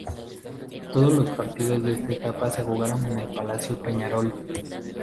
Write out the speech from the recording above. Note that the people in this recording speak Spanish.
Todos los partidos de esta etapa se jugaron en el Palacio Peñarol.